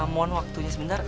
mohon waktunya sebentar